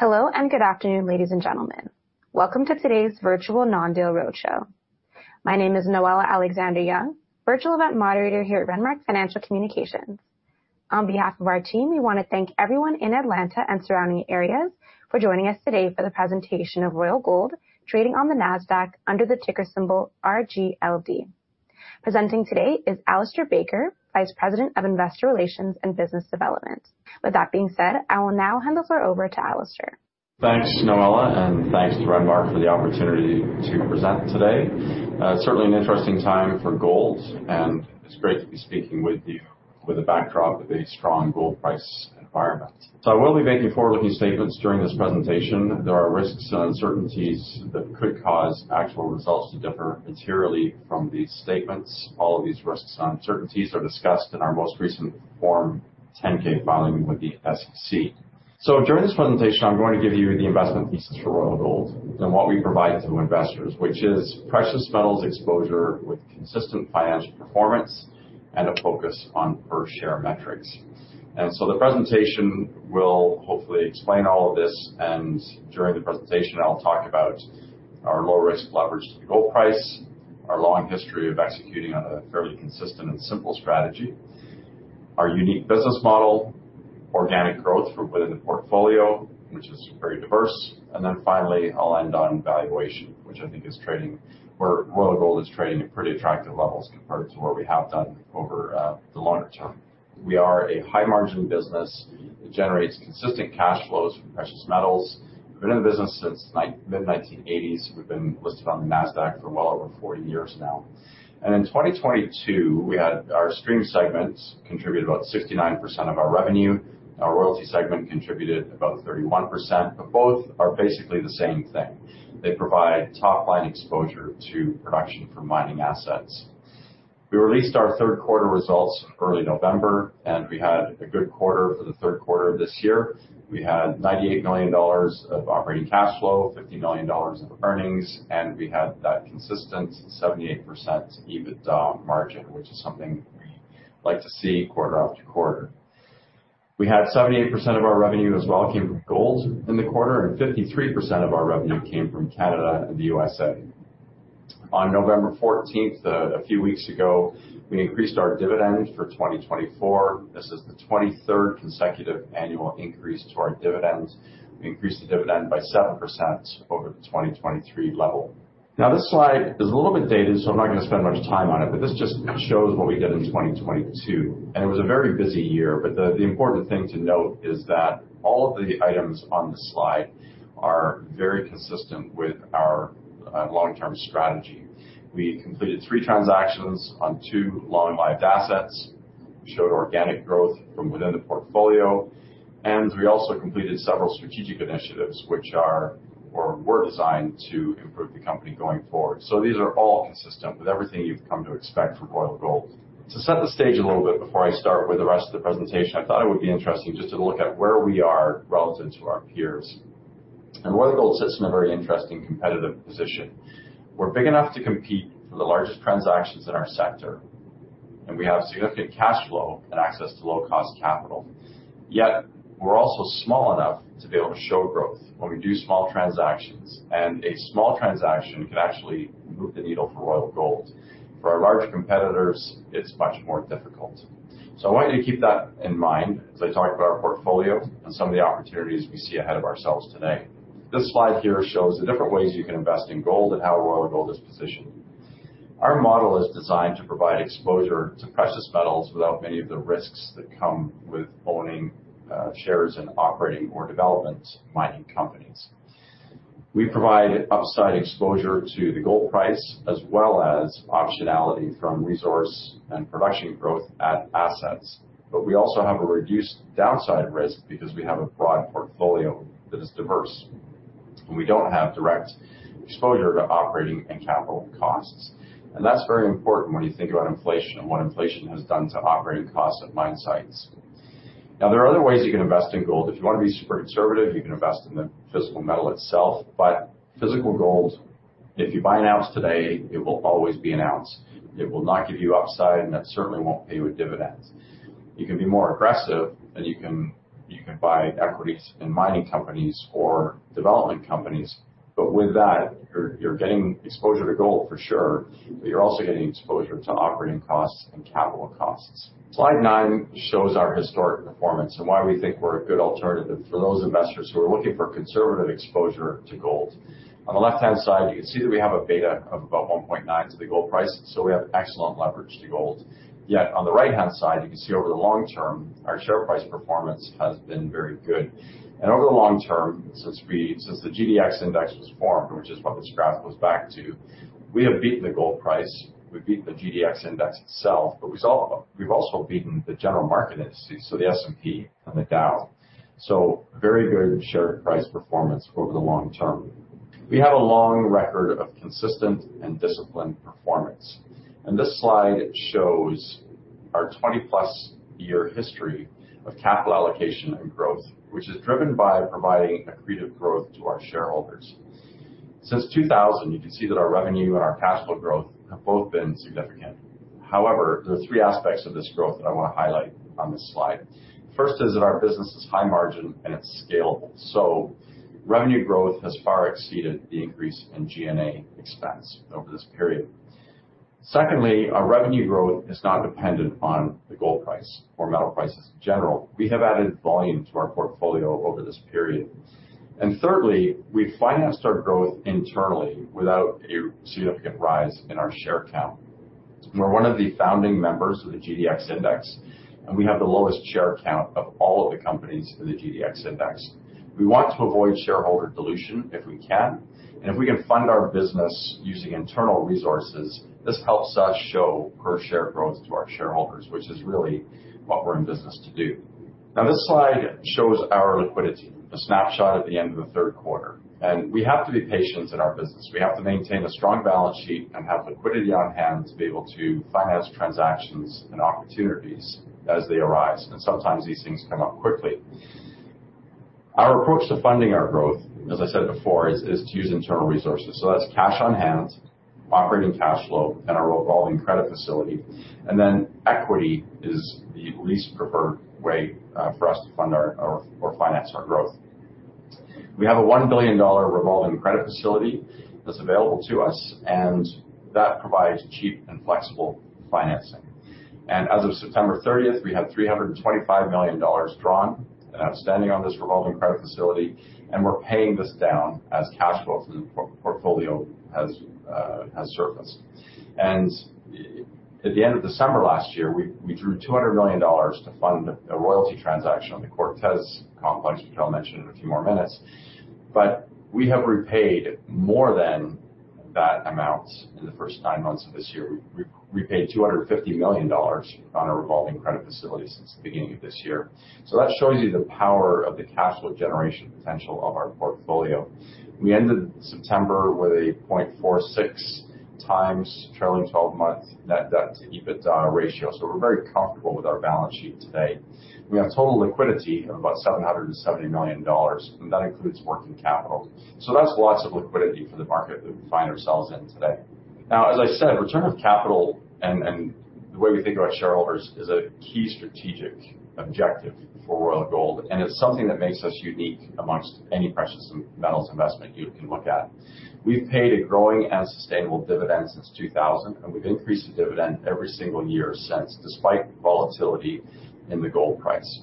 Hello and good afternoon, ladies and gentlemen. Welcome to today's virtual non-deal roadshow. My name is Noella Alexander-Young, virtual event moderator here at Renmark Financial Communications. On behalf of our team, we want to thank everyone in Atlanta and surrounding areas for joining us today for the presentation of Royal Gold Inc trading on the NASDAQ under the ticker symbol RGLD. Presenting today is Alistair Baker, Vice President of Investor Relations and Business Development. With that being said, I will now hand the floor over to Alistair. Thanks, Noella, and thanks to Renmark for the opportunity to present today. Certainly an interesting time for gold, and it's great to be speaking with you with a backdrop of a strong gold price environment. So I will be making forward-looking statements during this presentation. There are risks and uncertainties that could cause actual results to differ materially from these statements. All of these risks and uncertainties are discussed in our most recent Form 10-K filing with the SEC. So during this presentation, I'm going to give you the investment thesis for Royal Gold and what we provide to investors, which is precious metals exposure with consistent financial performance and a focus on per-share metrics, and so the presentation will hopefully explain all of this. During the presentation, I'll talk about our low-risk leverage to the gold price, our long history of executing on a fairly consistent and simple strategy, our unique business model, organic growth within the portfolio, which is very diverse. And then finally, I'll end on valuation, which I think is trading where Royal Gold is trading at pretty attractive levels compared to where we have done over the longer term. We are a high-margin business. It generates consistent cash flows from precious metals. We've been in the business since the mid-1980s. We've been listed on the NASDAQ for well over 40 years now. In 2022, we had our stream segment contribute about 69% of our revenue. Our royalty segment contributed about 31%, but both are basically the same thing. They provide top-line exposure to production from mining assets. We released our third-quarter results early November, and we had a good quarter for the third quarter of this year. We had $98 million of operating cash flow, $50 million of earnings, and we had that consistent 78% EBITDA margin, which is something we like to see quarter after quarter. We had 78% of our revenue as well came from gold in the quarter, and 53% of our revenue came from Canada and the USA. On November 14th, a few weeks ago, we increased our dividend for 2024. This is the 23rd consecutive annual increase to our dividend. We increased the dividend by 7% over the 2023 level. Now, this slide is a little bit dated, so I'm not going to spend much time on it, but this just shows what we did in 2022, and it was a very busy year. But the important thing to note is that all of the items on the slide are very consistent with our long-term strategy. We completed three transactions on two long-lived assets, showed organic growth from within the portfolio, and we also completed several strategic initiatives which are or were designed to improve the company going forward. So these are all consistent with everything you've come to expect from Royal Gold. To set the stage a little bit before I start with the rest of the presentation, I thought it would be interesting just to look at where we are relative to our peers. And Royal Gold sits in a very interesting competitive position. We're big enough to compete for the largest transactions in our sector, and we have significant cash flow and access to low-cost capital. Yet we're also small enough to be able to show growth when we do small transactions. And a small transaction can actually move the needle for Royal Gold. For our larger competitors, it's much more difficult. So I want you to keep that in mind as I talk about our portfolio and some of the opportunities we see ahead of ourselves today. This slide here shows the different ways you can invest in gold and how Royal Gold is positioned. Our model is designed to provide exposure to precious metals without many of the risks that come with owning shares in operating or development mining companies. We provide upside exposure to the gold price as well as optionality from resource and production growth at assets. But we also have a reduced downside risk because we have a broad portfolio that is diverse, and we don't have direct exposure to operating and capital costs. And that's very important when you think about inflation and what inflation has done to operating costs at mine sites. Now, there are other ways you can invest in gold. If you want to be super conservative, you can invest in the physical metal itself. But physical gold, if you buy an ounce today, it will always be an ounce. It will not give you upside, and that certainly won't pay you a dividend. You can be more aggressive, and you can buy equities in mining companies or development companies. But with that, you're getting exposure to gold for sure, but you're also getting exposure to operating costs and capital costs. Slide nine shows our historic performance and why we think we're a good alternative for those investors who are looking for conservative exposure to gold. On the left-hand side, you can see that we have a beta of about 1.9 to the gold price, so we have excellent leverage to gold. Yet on the right-hand side, you can see over the long term, our share price performance has been very good. And over the long term, since the GDX index was formed, which is what this graph goes back to, we have beaten the gold price. We've beaten the GDX index itself, but we've also beaten the general market indices, so the S&P and the Dow. So very good share price performance over the long term. We have a long record of consistent and disciplined performance. This slide shows our 20-plus year history of capital allocation and growth, which is driven by providing accretive growth to our shareholders. Since 2000, you can see that our revenue and our cash flow growth have both been significant. However, there are three aspects of this growth that I want to highlight on this slide. First is that our business is high margin and it's scalable. So revenue growth has far exceeded the increase in G&A expense over this period. Secondly, our revenue growth is not dependent on the gold price or metal prices in general. We have added volume to our portfolio over this period. And thirdly, we've financed our growth internally without a significant rise in our share count. We're one of the founding members of the GDX index, and we have the lowest share count of all of the companies in the GDX index. We want to avoid shareholder dilution if we can, and if we can fund our business using internal resources, this helps us show per-share growth to our shareholders, which is really what we're in business to do. Now, this slide shows our liquidity, a snapshot at the end of the third quarter, and we have to be patient in our business. We have to maintain a strong balance sheet and have liquidity on hand to be able to finance transactions and opportunities as they arise, and sometimes these things come up quickly. Our approach to funding our growth, as I said before, is to use internal resources, so that's cash on hand, operating cash flow, and our revolving credit facility, and then equity is the least preferred way for us to fund or finance our growth. We have a $1 billion revolving credit facility that's available to us, and that provides cheap and flexible financing. And as of September 30th, we had $325 million drawn and outstanding on this revolving credit facility, and we're paying this down as cash flow from the portfolio has surfaced. And at the end of December last year, we drew $200 million to fund a royalty transaction on the Cortez Complex, which I'll mention in a few more minutes. But we have repaid more than that amount in the first nine months of this year. We've repaid $250 million on a revolving credit facility since the beginning of this year. So that shows you the power of the cash flow generation potential of our portfolio. We ended September with a 0.46x trailing 12-month net debt to EBITDA ratio. So we're very comfortable with our balance sheet today. We have total liquidity of about $770 million, and that includes working capital, so that's lots of liquidity for the market that we find ourselves in today. Now, as I said, return of capital and the way we think about shareholders is a key strategic objective for Royal Gold, and it's something that makes us unique amongst any precious metals investment you can look at. We've paid a growing and sustainable dividend since 2000, and we've increased the dividend every single year since, despite volatility in the gold price.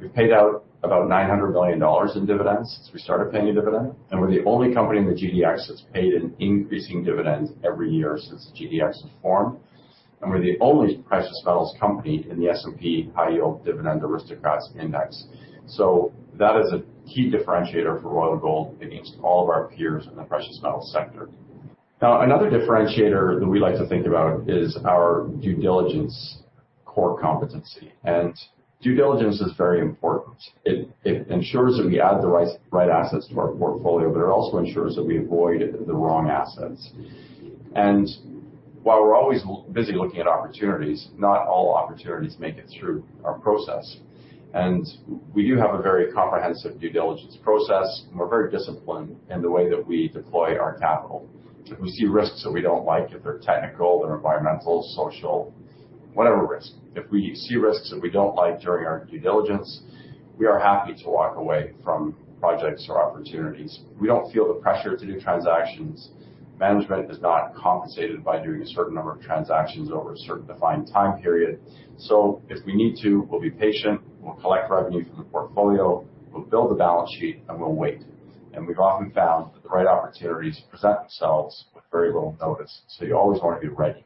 We've paid out about $900 million in dividends since we started paying a dividend, and we're the only company in the GDX that's paid an increasing dividend every year since the GDX was formed, and we're the only precious metals company in the S&P High Yield Dividend Aristocrats Index. That is a key differentiator for Royal Gold against all of our peers in the precious metals sector. Now, another differentiator that we like to think about is our due diligence core competency. Due diligence is very important. It ensures that we add the right assets to our portfolio, but it also ensures that we avoid the wrong assets. While we're always busy looking at opportunities, not all opportunities make it through our process. We do have a very comprehensive due diligence process, and we're very disciplined in the way that we deploy our capital. If we see risks that we don't like, if they're technical, they're environmental, social, whatever risk, if we see risks that we don't like during our due diligence, we are happy to walk away from projects or opportunities. We don't feel the pressure to do transactions. Management is not compensated by doing a certain number of transactions over a certain defined time period, so if we need to, we'll be patient. We'll collect revenue from the portfolio. We'll build a balance sheet, and we'll wait, and we've often found that the right opportunities present themselves with very little notice, so you always want to be ready.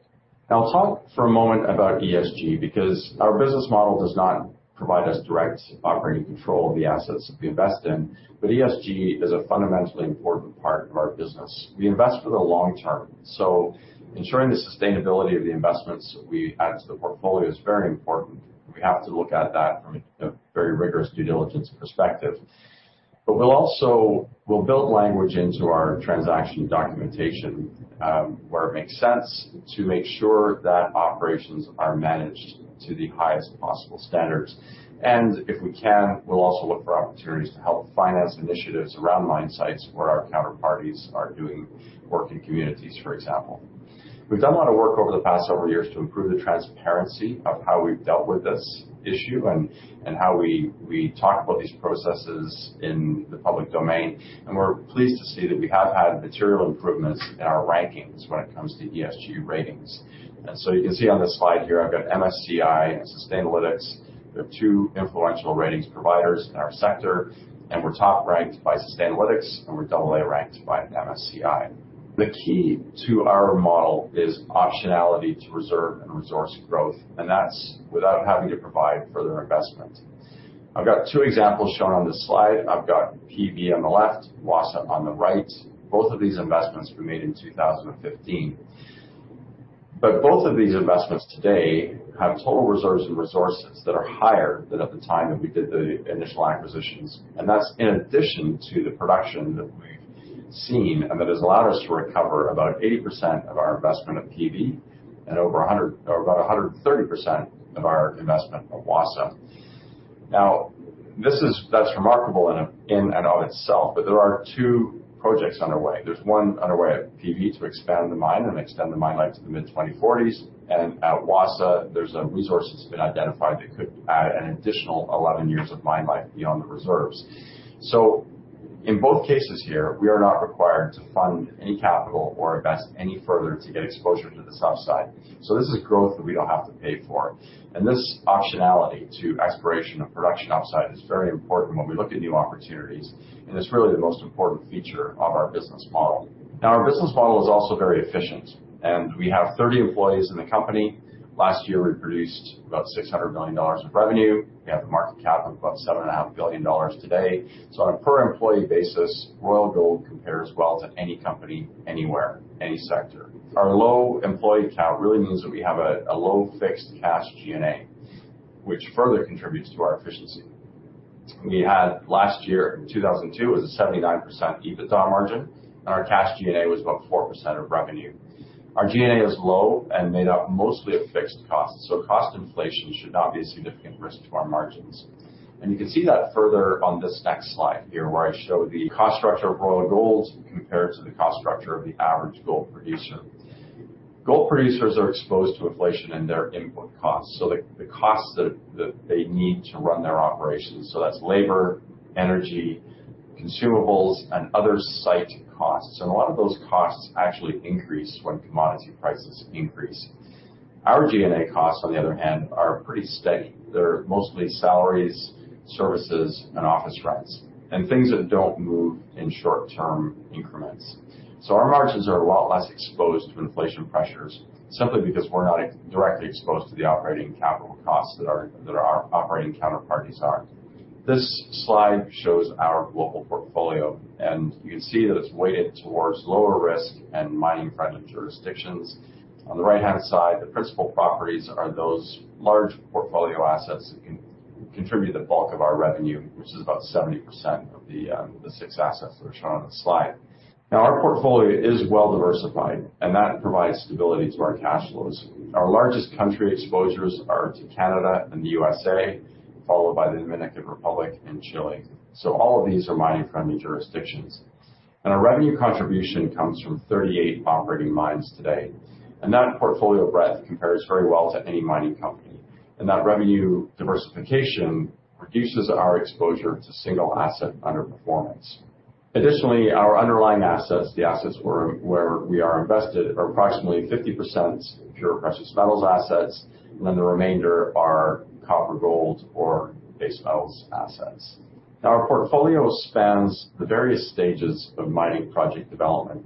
Now, I'll talk for a moment about ESG because our business model does not provide us direct operating control of the assets that we invest in, but ESG is a fundamentally important part of our business. We invest for the long term, so ensuring the sustainability of the investments we add to the portfolio is very important. We have to look at that from a very rigorous due diligence perspective. But we'll also build language into our transaction documentation where it makes sense to make sure that operations are managed to the highest possible standards. And if we can, we'll also look for opportunities to help finance initiatives around mine sites where our counterparties are doing work in communities, for example. We've done a lot of work over the past several years to improve the transparency of how we've dealt with this issue and how we talk about these processes in the public domain. And we're pleased to see that we have had material improvements in our rankings when it comes to ESG ratings. And so you can see on this slide here, I've got MSCI and Sustainalytics. They're two influential ratings providers in our sector, and we're top-ranked by Sustainalytics, and we're AA-ranked by MSCI. The key to our model is optionality to reserve and resource growth, and that's without having to provide further investment. I've got two examples shown on this slide. I've got PV on the left, Wassa on the right. Both of these investments were made in 2015. But both of these investments today have total reserves and resources that are higher than at the time that we did the initial acquisitions. And that's in addition to the production that we've seen and that has allowed us to recover about 80% of our investment of PV and about 130% of our investment of Wassa. Now, that's remarkable in and of itself, but there are two projects underway. There's one underway at PV to expand the mine and extend the mine life to the mid-2040s. At Wassa, there's a resource that's been identified that could add an additional 11 years of mine life beyond the reserves. In both cases here, we are not required to fund any capital or invest any further to get exposure to this upside. This is growth that we don't have to pay for. This optionality to expiration and production upside is very important when we look at new opportunities, and it's really the most important feature of our business model. Now, our business model is also very efficient, and we have 30 employees in the company. Last year, we produced about $600 million of revenue. We have a market cap of about $7.5 billion today. On a per-employee basis, Royal Gold compares well to any company, anywhere, any sector. Our low employee cap really means that we have a low fixed cash G&A, which further contributes to our efficiency. We had last year in 2023 a 79% EBITDA margin, and our cash G&A was about 4% of revenue. Our G&A is low and made up mostly of fixed costs, so cost inflation should not be a significant risk to our margins, and you can see that further on this next slide here where I show the cost structure of Royal Gold compared to the cost structure of the average gold producer. Gold producers are exposed to inflation in their input costs, so the costs that they need to run their operations, so that's labor, energy, consumables, and other site costs, and a lot of those costs actually increase when commodity prices increase. Our G&A costs, on the other hand, are pretty steady. They're mostly salaries, services, and office rates, and things that don't move in short-term increments. So our margins are a lot less exposed to inflation pressures simply because we're not directly exposed to the operating capital costs that our operating counterparties are. This slide shows our global portfolio, and you can see that it's weighted towards lower risk and mining-friendly jurisdictions. On the right-hand side, the principal properties are those large portfolio assets that can contribute the bulk of our revenue, which is about 70% of the six assets that are shown on this slide. Now, our portfolio is well-diversified, and that provides stability to our cash flows. Our largest country exposures are to Canada and the USA, followed by the Dominican Republic and Chile. So all of these are mining-friendly jurisdictions. And our revenue contribution comes from 38 operating mines today. That portfolio breadth compares very well to any mining company. That revenue diversification reduces our exposure to single asset underperformance. Additionally, our underlying assets, the assets where we are invested, are approximately 50% pure precious metals assets, and then the remainder are copper-gold or base metals assets. Now, our portfolio spans the various stages of mining project development.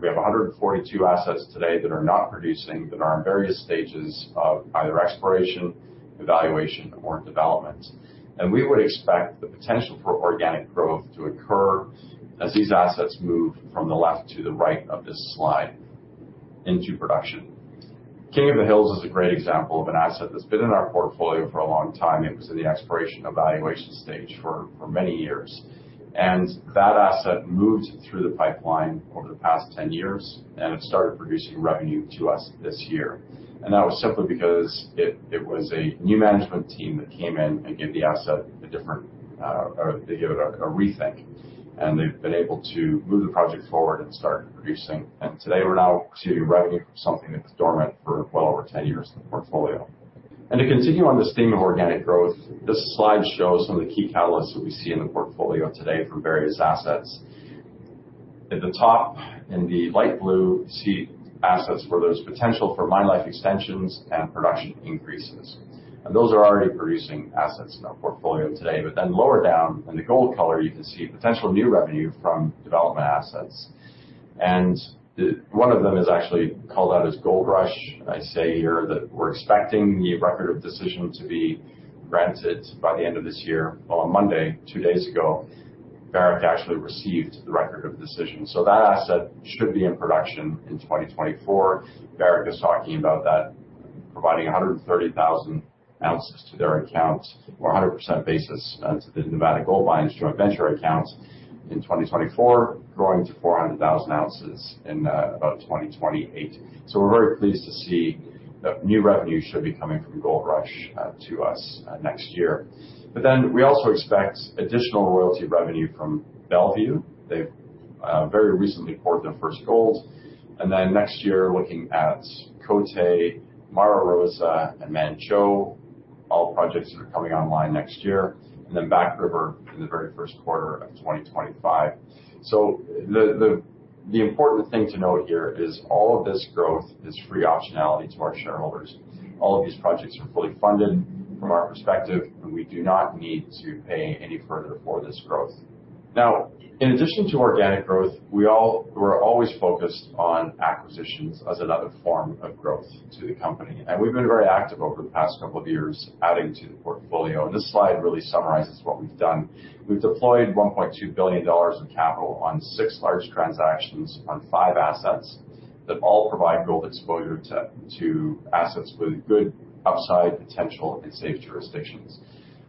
We have 142 assets today that are not producing that are in various stages of either exploration, evaluation, or development. We would expect the potential for organic growth to occur as these assets move from the left to the right of this slide into production. King of the Hills is a great example of an asset that's been in our portfolio for a long time. It was in the exploration evaluation stage for many years. That asset moved through the pipeline over the past 10 years, and it started producing revenue to us this year. That was simply because it was a new management team that came in and gave the asset a different or they gave it a rethink. They have been able to move the project forward and start producing. Today, we are now seeing revenue from something that was dormant for well over 10 years in the portfolio. To continue on this theme of organic growth, this slide shows some of the key catalysts that we see in the portfolio today from various assets. At the top in the light blue, you see assets where there is potential for mine life extensions and production increases. Those are already producing assets in our portfolio today. But then lower down in the gold color, you can see potential new revenue from development assets. And one of them is actually called out as Goldrush. And I say here that we're expecting the Record of Decision to be granted by the end of this year. Well, on Monday, two days ago, Barrick actually received the Record of Decision. So that asset should be in production in 2024. Barrick is talking about that, providing 130,000 ounces to their account or 100% basis to the Nevada Gold Mines Joint Venture accounts in 2024, growing to 400,000 ounces in about 2028. So we're very pleased to see that new revenue should be coming from Goldrush to us next year. But then we also expect additional royalty revenue from Bellevue. They've very recently poured their first gold. Then next year, looking at Côté, Mara Rosa, and Manh Choh, all projects that are coming online next year, and then Back River in the very first quarter of 2025. The important thing to note here is all of this growth is free optionality to our shareholders. All of these projects are fully funded from our perspective, and we do not need to pay any further for this growth. Now, in addition to organic growth, we're always focused on acquisitions as another form of growth to the company. We've been very active over the past couple of years adding to the portfolio. This slide really summarizes what we've done. We've deployed $1.2 billion of capital on six large transactions on five assets that all provide gold exposure to assets with good upside potential in safe jurisdictions.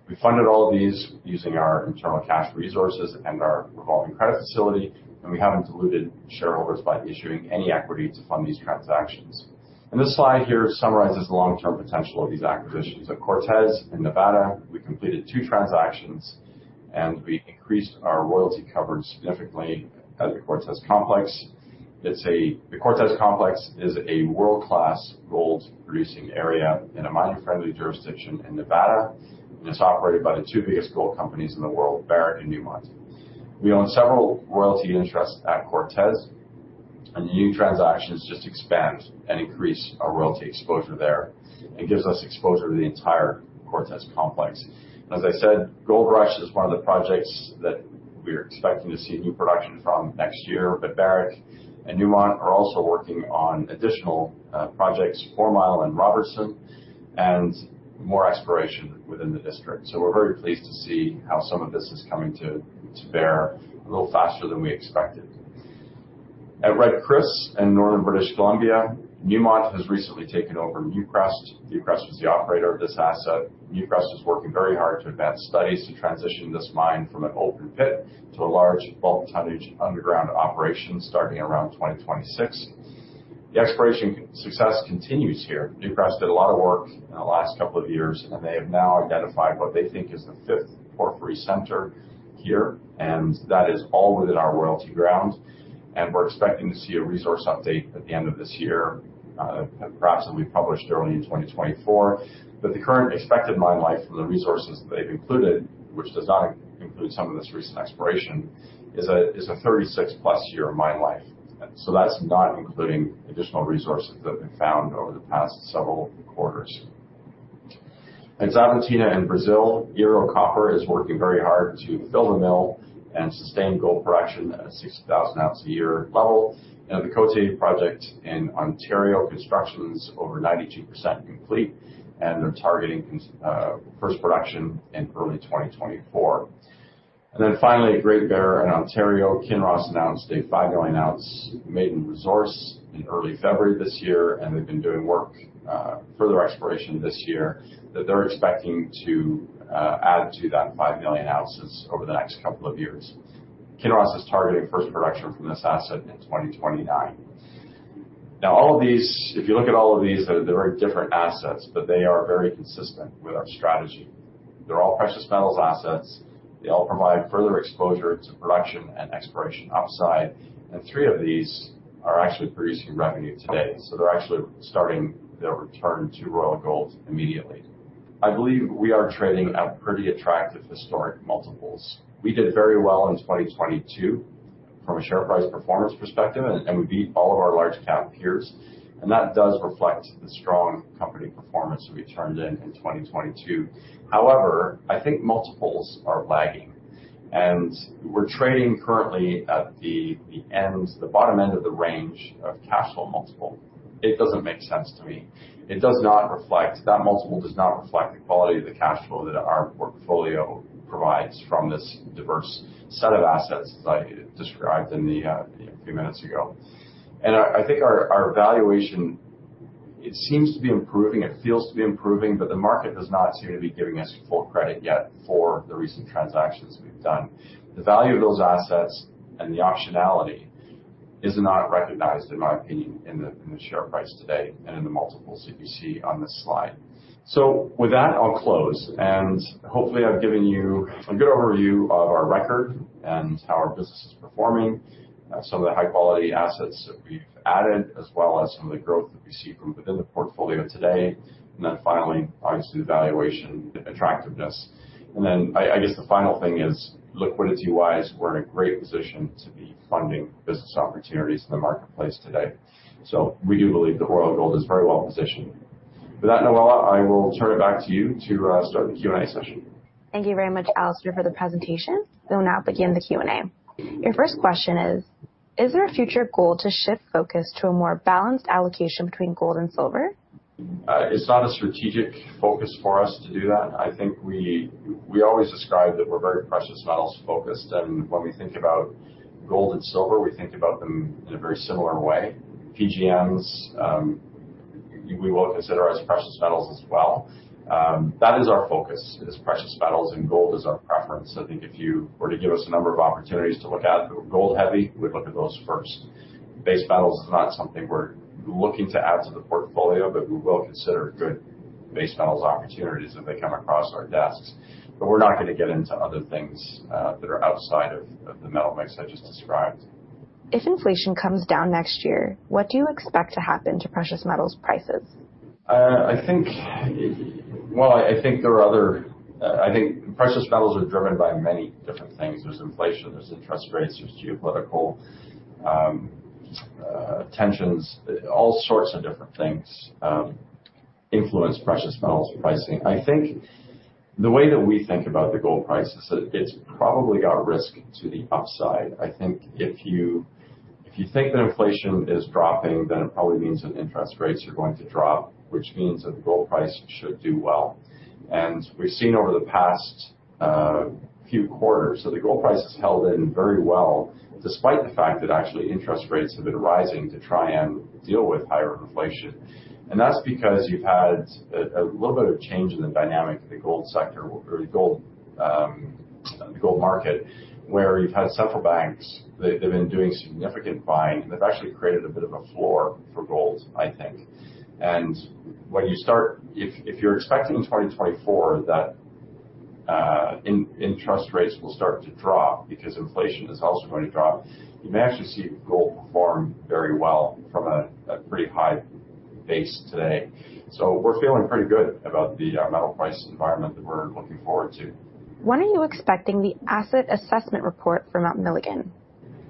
We funded all of these using our internal cash resources and our revolving credit facility, and we haven't diluted shareholders by issuing any equity to fund these transactions. This slide here summarizes the long-term potential of these acquisitions. At Cortez in Nevada, we completed two transactions, and we increased our royalty coverage significantly at the Cortez Complex. The Cortez Complex is a world-class gold-producing area in a mining-friendly jurisdiction in Nevada, and it's operated by the two biggest gold companies in the world, Barrick and Newmont. We own several royalty interests at Cortez, and the new transactions just expand and increase our royalty exposure there and gives us exposure to the entire Cortez Complex. As I said, Gold Rush is one of the projects that we are expecting to see new production from next year, but Barrick and Newmont are also working on additional projects for Fourmile and Robertson and more exploration within the district. We're very pleased to see how some of this is coming to bear a little faster than we expected. At Red Chris in northern British Columbia, Newmont has recently taken over Newcrest. Newcrest was the operator of this asset. Newcrest is working very hard to advance studies to transition this mine from an open pit to a large bulk tonnage underground operation starting around 2026. The exploration success continues here. Newcrest did a lot of work in the last couple of years, and they have now identified what they think is the fifth porphyry center here, and that is all within our royalty ground. We're expecting to see a resource update at the end of this year, perhaps that we published early in 2024. But the current expected mine life from the resources that they've included, which does not include some of this recent exploration, is a 36-plus-year mine life. So that's not including additional resources that have been found over the past several quarters. At Xavantina in Brazil, Ero Copper is working very hard to fill the mill and sustain gold production at a 60,000-ounce-a-year level. And the Côté project in Ontario construction is over 92% complete, and they're targeting first production in early 2024. And then finally, Great Bear in Ontario, Kinross announced a 5-million-ounce maiden resource in early February this year, and they've been doing work, further exploration this year, that they're expecting to add to that 5 million ounces over the next couple of years. Kinross is targeting first production from this asset in 2029. Now, all of these, if you look at all of these, they're very different assets, but they are very consistent with our strategy. They're all precious metals assets. They all provide further exposure to production and exploration upside, and three of these are actually producing revenue today. So they're actually starting their return to Royal Gold immediately. I believe we are trading at pretty attractive historic multiples. We did very well in 2022 from a share price performance perspective, and we beat all of our large cap peers, and that does reflect the strong company performance that we turned in in 2022. However, I think multiples are lagging, and we're trading currently at the bottom end of the range of cash flow multiple. It doesn't make sense to me. It does not reflect the quality of the cash flow that our portfolio provides from this diverse set of assets that I described a few minutes ago. I think our valuation, it seems to be improving. It feels to be improving, but the market does not seem to be giving us full credit yet for the recent transactions we've done. The value of those assets and the optionality is not recognized, in my opinion, in the share price today and in the multiple CPC on this slide. With that, I'll close. Hopefully, I've given you a good overview of our record and how our business is performing, some of the high-quality assets that we've added, as well as some of the growth that we see from within the portfolio today. Then finally, obviously, the valuation attractiveness. And then I guess the final thing is, liquidity-wise, we're in a great position to be funding business opportunities in the marketplace today. So we do believe that Royal Gold is very well positioned. With that, Noella, I will turn it back to you to start the Q&A session. Thank you very much, Alistair, for the presentation. We'll now begin the Q&A. Your first question is, is there a future goal to shift focus to a more balanced allocation between gold and silver? It's not a strategic focus for us to do that. I think we always describe that we're very precious metals focused. And when we think about gold and silver, we think about them in a very similar way. PGMs, we will consider as precious metals as well. That is our focus, is precious metals, and gold is our preference. I think if you were to give us a number of opportunities to look at, gold-heavy, we'd look at those first. Base metals is not something we're looking to add to the portfolio, but we will consider good base metals opportunities if they come across our desks. But we're not going to get into other things that are outside of the metal mix I just described. If inflation comes down next year, what do you expect to happen to precious metals prices? Well, I think precious metals are driven by many different things. There's inflation, there's interest rates, there's geopolitical tensions, all sorts of different things influence precious metals pricing. I think the way that we think about the gold price is that it's probably got risk to the upside. I think if you think that inflation is dropping, then it probably means that interest rates are going to drop, which means that the gold price should do well, and we've seen over the past few quarters that the gold price has held in very well despite the fact that actually interest rates have been rising to try and deal with higher inflation, and that's because you've had a little bit of change in the dynamic of the gold sector or the gold market, where you've had central banks, they've been doing significant buying, and they've actually created a bit of a floor for gold, I think, and when you start, if you're expecting in 2024 that interest rates will start to drop because inflation is also going to drop, you may actually see gold perform very well from a pretty high base today. So we're feeling pretty good about the metal price environment that we're looking forward to. When are you expecting the asset assessment report from Mount Milligan?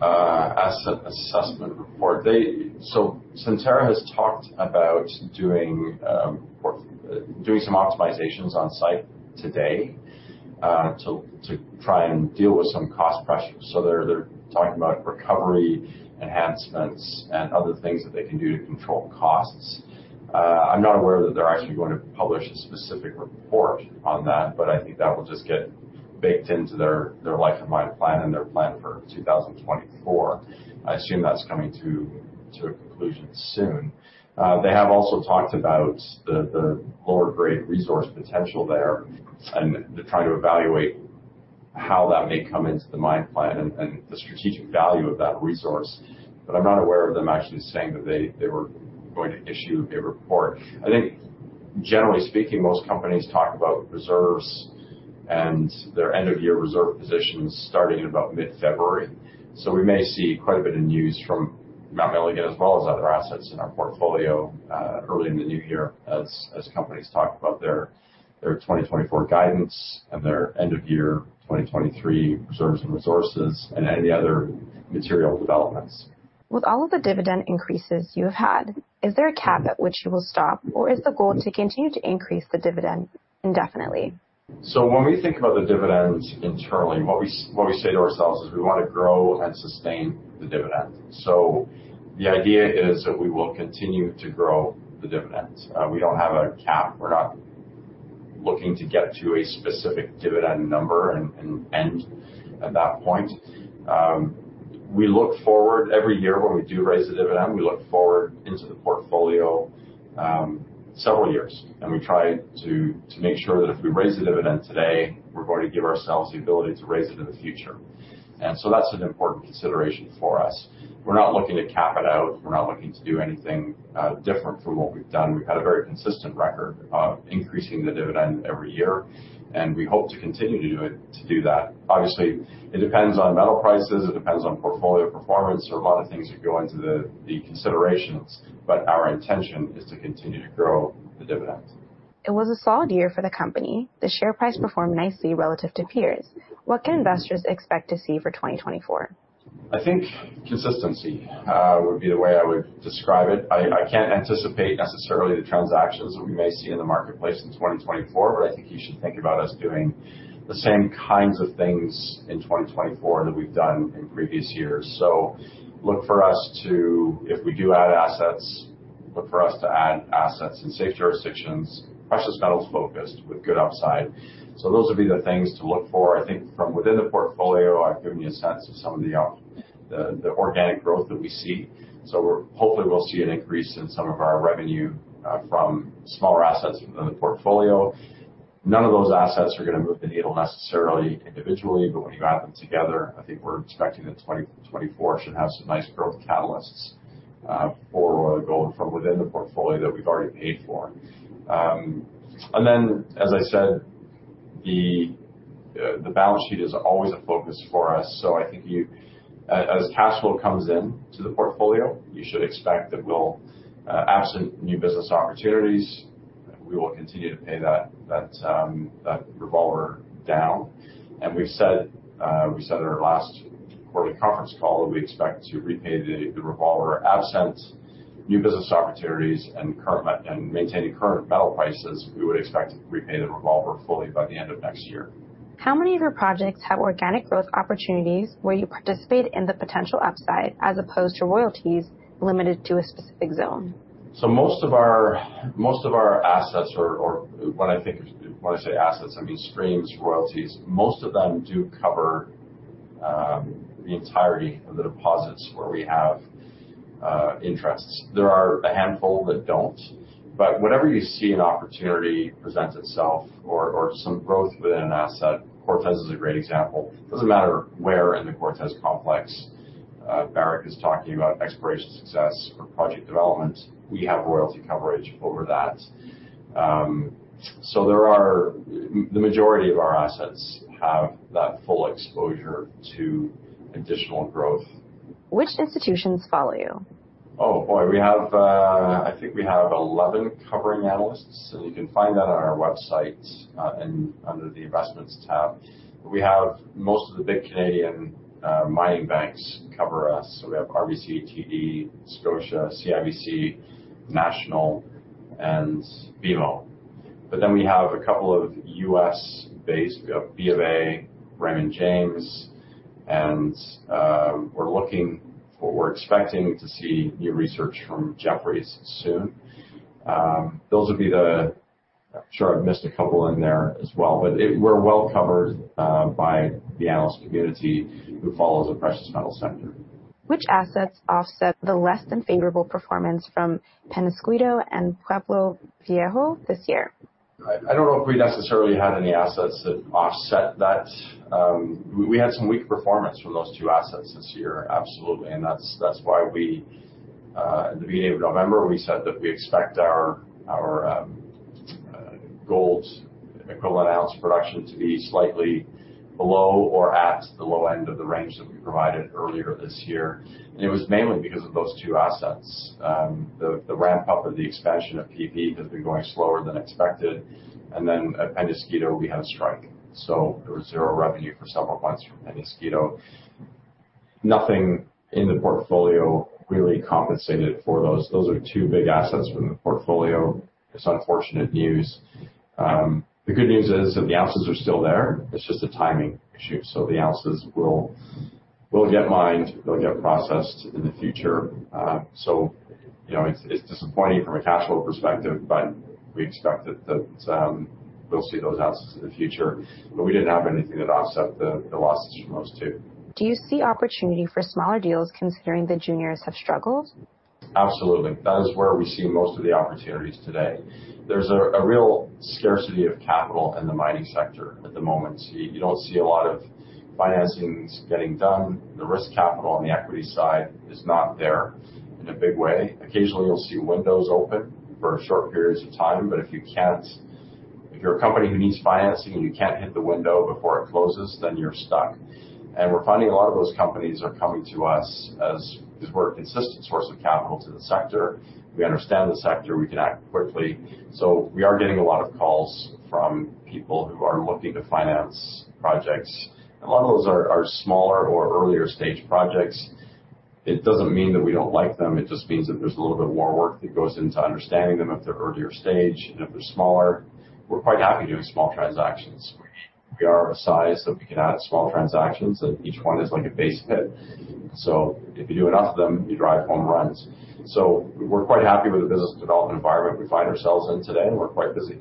Asset assessment report. So Centerra has talked about doing some optimizations on site today to try and deal with some cost pressure. So they're talking about recovery enhancements and other things that they can do to control costs. I'm not aware that they're actually going to publish a specific report on that, but I think that will just get baked into their life of mine plan and their plan for 2024. I assume that's coming to a conclusion soon. They have also talked about the lower-grade resource potential there. And they're trying to evaluate how that may come into the mine plan and the strategic value of that resource. But I'm not aware of them actually saying that they were going to issue a report. I think, generally speaking, most companies talk about reserves and their end-of-year reserve positions starting in about mid-February. So we may see quite a bit of news from Mount Milligan as well as other assets in our portfolio early in the new year as companies talk about their 2024 guidance and their end-of-year 2023 reserves and resources and any other material developments. With all of the dividend increases you have had, is there a cap at which you will stop, or is the goal to continue to increase the dividend indefinitely? So when we think about the dividend internally, what we say to ourselves is we want to grow and sustain the dividend. So the idea is that we will continue to grow the dividend. We don't have a cap. We're not looking to get to a specific dividend number and end at that point. We look forward every year when we do raise the dividend, we look forward into the portfolio several years. And we try to make sure that if we raise the dividend today, we're going to give ourselves the ability to raise it in the future. And so that's an important consideration for us. We're not looking to cap it out. We're not looking to do anything different from what we've done. We've had a very consistent record of increasing the dividend every year, and we hope to continue to do that. Obviously, it depends on metal prices. It depends on portfolio performance. There are a lot of things that go into the considerations, but our intention is to continue to grow the dividend. It was a solid year for the company. The share price performed nicely relative to peers. What can investors expect to see for 2024? I think consistency would be the way I would describe it. I can't anticipate necessarily the transactions that we may see in the marketplace in 2024, but I think you should think about us doing the same kinds of things in 2024 that we've done in previous years. So look for us to, if we do add assets, look for us to add assets in safe jurisdictions, precious metals focused with good upside. So those would be the things to look for. I think from within the portfolio, I've given you a sense of some of the organic growth that we see. So hopefully, we'll see an increase in some of our revenue from smaller assets within the portfolio. None of those assets are going to move the needle necessarily individually, but when you add them together, I think we're expecting that 2024 should have some nice growth catalysts for Royal Gold from within the portfolio that we've already paid for. And then, as I said, the balance sheet is always a focus for us. So I think as cash flow comes into the portfolio, you should expect that absent new business opportunities, we will continue to pay that revolver down. And we said at our last quarterly conference call that we expect to repay the revolver absent new business opportunities and maintaining current metal prices, we would expect to repay the revolver fully by the end of next year. How many of your projects have organic growth opportunities where you participate in the potential upside as opposed to royalties limited to a specific zone? So most of our assets, or when I say assets, I mean streams, royalties, most of them do cover the entirety of the deposits where we have interests. There are a handful that don't. But whenever you see an opportunity present itself or some growth within an asset, Cortez is a great example. It doesn't matter where in the Cortez Complex Barrick is talking about exploration success or project development, we have royalty coverage over that. So the majority of our assets have that full exposure to additional growth. Which institutions follow you? Oh, boy. I think we have 11 covering analysts, and you can find that on our website under the investments tab. We have most of the big Canadian mining banks cover us. So we have RBC, TD, Scotia, CIBC, National, and BMO. But then we have a couple of US-based. We have BofA, Raymond James, and we're looking for or expecting to see new research from Jefferies soon. Those would be the. I'm sure I've missed a couple in there as well, but we're well covered by the analyst community who follows the precious metal sector. Which assets offset the less than favorable performance from Peñasquito and Pueblo Viejo this year? I don't know if we necessarily had any assets that offset that. We had some weak performance from those two assets this year, absolutely. And that's why at the beginning of November, we said that we expect our gold equivalent ounce production to be slightly below or at the low end of the range that we provided earlier this year. And it was mainly because of those two assets. The ramp-up of the expansion of PV has been going slower than expected. And then at Peñasquito, we had a strike. So there was zero revenue for several months from Peñasquito. Nothing in the portfolio really compensated for those. Those are two big assets from the portfolio. It's unfortunate news. The good news is that the ounces are still there. It's just a timing issue. So the ounces will get mined. They'll get processed in the future. So it's disappointing from a cash flow perspective, but we expect that we'll see those ounces in the future. But we didn't have anything that offset the losses from those two. Do you see opportunity for smaller deals considering the juniors have struggled? Absolutely. That is where we see most of the opportunities today. There's a real scarcity of capital in the mining sector at the moment. You don't see a lot of financings getting done. The risk capital on the equity side is not there in a big way. Occasionally, you'll see windows open for short periods of time, but if you're a company who needs financing and you can't hit the window before it closes, then you're stuck. And we're finding a lot of those companies are coming to us as we're a consistent source of capital to the sector. We understand the sector. We can act quickly. So we are getting a lot of calls from people who are looking to finance projects. And a lot of those are smaller or earlier stage projects. It doesn't mean that we don't like them. It just means that there's a little bit more work that goes into understanding them if they're earlier stage and if they're smaller. We're quite happy doing small transactions. We are of a size that we can add small transactions, and each one is like a base hit. So if you do enough of them, you drive home runs. So we're quite happy with the business development environment we find ourselves in today, and we're quite busy.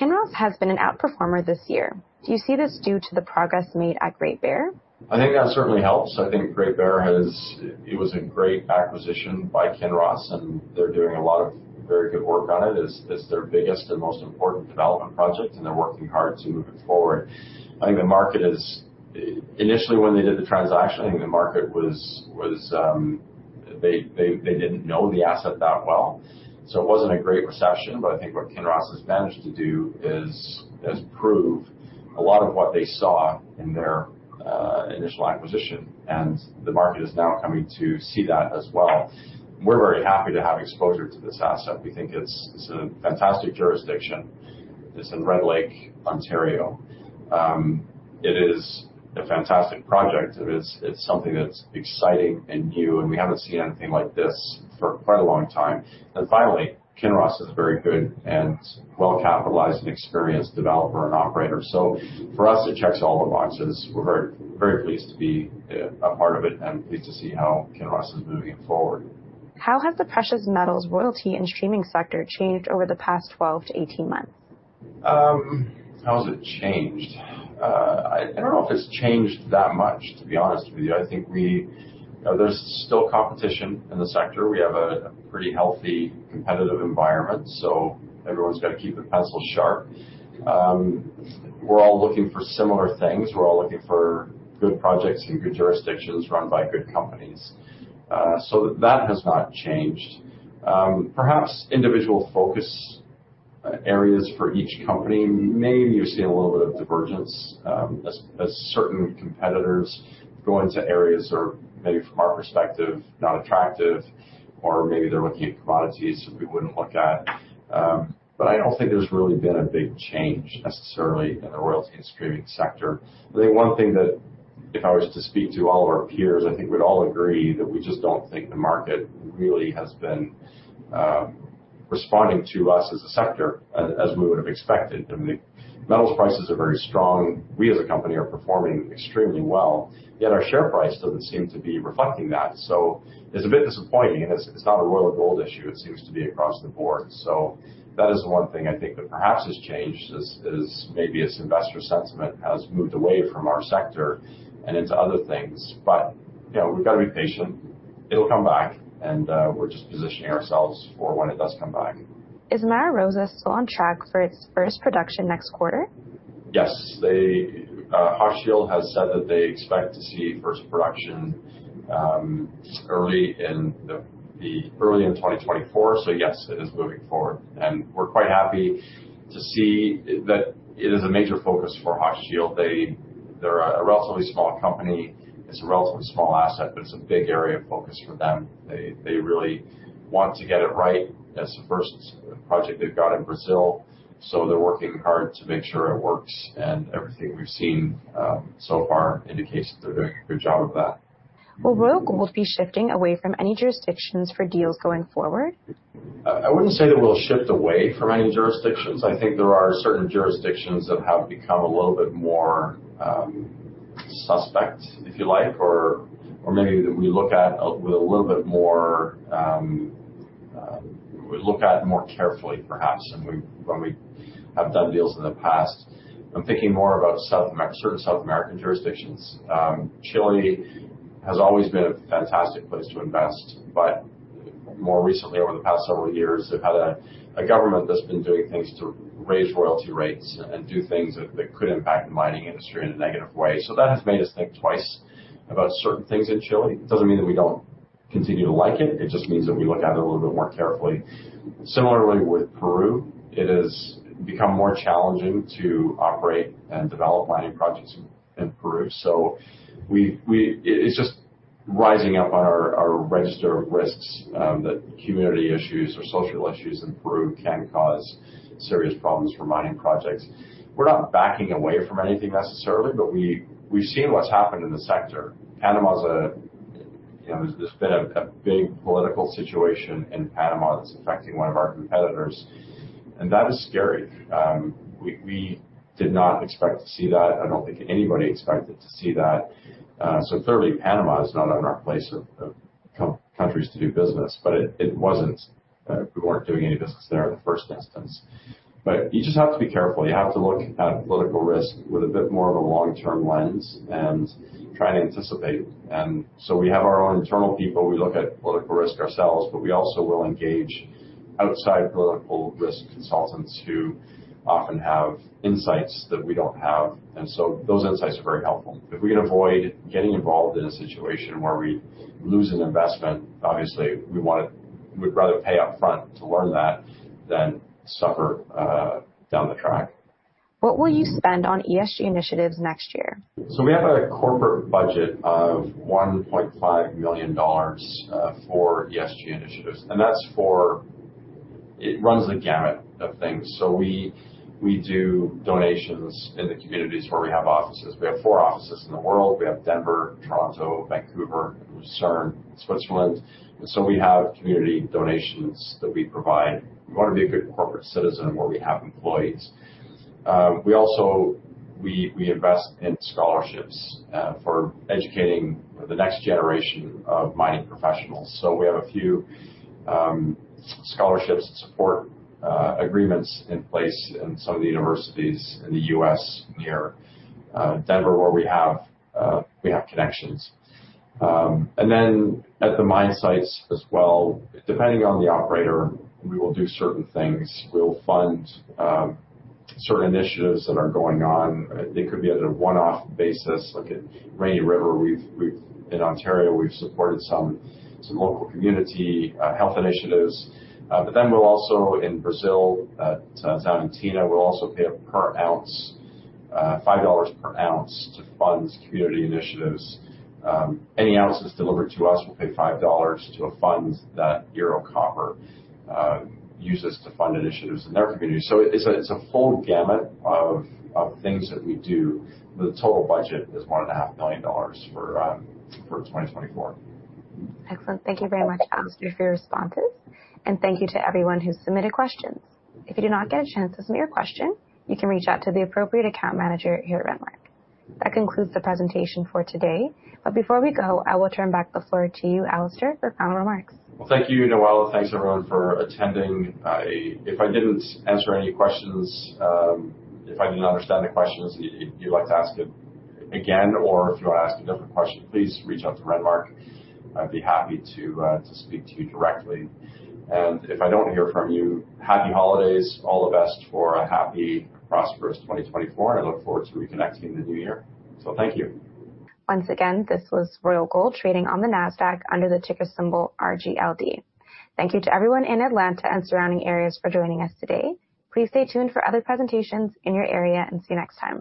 Kinross has been an outperformer this year. Do you see this due to the progress made at Great Bear? I think that certainly helps. I think Great Bear. It was a great acquisition by Kinross, and they're doing a lot of very good work on it. It's their biggest and most important development project, and they're working hard to move it forward. I think the market initially, when they did the transaction, I think the market was they didn't know the asset that well. So it wasn't a great recession, but I think what Kinross has managed to do is prove a lot of what they saw in their initial acquisition. And the market is now coming to see that as well. We're very happy to have exposure to this asset. We think it's a fantastic jurisdiction. It's in Red Lake, Ontario. It is a fantastic project. It's something that's exciting and new, and we haven't seen anything like this for quite a long time. And finally, Kinross is a very good and well-capitalized and experienced developer and operator. So for us, it checks all the boxes. We're very pleased to be a part of it and pleased to see how Kinross is moving it forward. How has the precious metals royalty and streaming sector changed over the past 12-18 months? How has it changed? I don't know if it's changed that much, to be honest with you. I think there's still competition in the sector. We have a pretty healthy competitive environment, so everyone's got to keep the pencil sharp. We're all looking for similar things. We're all looking for good projects in good jurisdictions run by good companies. So that has not changed. Perhaps individual focus areas for each company. Maybe you've seen a little bit of divergence as certain competitors go into areas that are maybe from our perspective not attractive, or maybe they're looking at commodities that we wouldn't look at. But I don't think there's really been a big change necessarily in the royalty and streaming sector. I think one thing that if I was to speak to all of our peers, I think we'd all agree that we just don't think the market really has been responding to us as a sector as we would have expected. I mean, the metals prices are very strong. We as a company are performing extremely well. Yet our share price doesn't seem to be reflecting that. So it's a bit disappointing, and it's not a Royal Gold issue. It seems to be across the board. So that is one thing I think that perhaps has changed is maybe it's investor sentiment has moved away from our sector and into other things. But we've got to be patient. It'll come back, and we're just positioning ourselves for when it does come back. Is Mara Rosa still on track for its first production next quarter? Yes. Hochschild has said that they expect to see first production early in 2024. So yes, it is moving forward. And we're quite happy to see that it is a major focus for Hochschild. They're a relatively small company. It's a relatively small asset, but it's a big area of focus for them. They really want to get it right. It's the first project they've got in Brazil. So they're working hard to make sure it works. And everything we've seen so far indicates that they're doing a good job of that. Will Royal Gold be shifting away from any jurisdictions for deals going forward? I wouldn't say that we'll shift away from any jurisdictions. I think there are certain jurisdictions that have become a little bit more suspect, if you like, or maybe that we look at with a little bit more carefully, perhaps, when we have done deals in the past. I'm thinking more about certain South American jurisdictions. Chile has always been a fantastic place to invest, but more recently, over the past several years, they've had a government that's been doing things to raise royalty rates and do things that could impact the mining industry in a negative way. So that has made us think twice about certain things in Chile. It doesn't mean that we don't continue to like it. It just means that we look at it a little bit more carefully. Similarly, with Peru, it has become more challenging to operate and develop mining projects in Peru. So it's just rising up on our register of risks that community issues or social issues in Peru can cause serious problems for mining projects. We're not backing away from anything necessarily, but we've seen what's happened in the sector. Panama, there's been a big political situation in Panama that's affecting one of our competitors, and that is scary. We did not expect to see that. I don't think anybody expected to see that. So clearly, Panama is not on our list of countries to do business, but it wasn't. We weren't doing any business there in the first instance. But you just have to be careful. You have to look at political risk with a bit more of a long-term lens and try and anticipate. And so we have our own internal people. We look at political risk ourselves, but we also will engage outside political risk consultants who often have insights that we don't have. And so those insights are very helpful. If we can avoid getting involved in a situation where we lose an investment, obviously, we'd rather pay upfront to learn that than suffer down the track. What will you spend on ESG initiatives next year? So we have a corporate budget of $1.5 million for ESG initiatives. And that's for it. It runs the gamut of things. So we do donations in the communities where we have offices. We have four offices in the world. We have Denver, Toronto, Vancouver, and Lucerne, Switzerland. And so we have community donations that we provide. We want to be a good corporate citizen where we have employees. We invest in scholarships for educating the next generation of mining professionals. We have a few scholarships and support agreements in place in some of the universities in the US near Denver where we have connections. And then at the mine sites as well, depending on the operator, we will do certain things. We'll fund certain initiatives that are going on. They could be at a one-off basis. Look at Rainy River. In Ontario, we've supported some local community health initiatives. But then we'll also in Brazil, down in Xavantina, we'll also pay a per ounce, $5 per ounce to fund community initiatives. Any ounces delivered to us will pay $5 to a fund that Ero Copper uses to fund initiatives in their community. So it's a full gamut of things that we do. The total budget is $1.5 million for 2024. Excellent. Thank you very much, Alistair, for your responses. And thank you to everyone who submitted questions. If you do not get a chance to submit your question, you can reach out to the appropriate account manager here at Renmark. That concludes the presentation for today. But before we go, I will turn back the floor to you, Alistair, for final remarks. Well, thank you, Noell. Thanks, everyone, for attending. If I didn't answer any questions, if I didn't understand the questions and you'd like to ask it again, or if you want to ask a different question, please reach out to Renmark. I'd be happy to speak to you directly. And if I don't hear from you, happy holidays. All the best for a happy, prosperous 2024. And I look forward to reconnecting in the new year. So thank you. Once again, this was Royal Gold trading on the NASDAQ under the ticker symbol RGLD. Thank you to everyone in Atlanta and surrounding areas for joining us today. Please stay tuned for other presentations in your area and see you next time.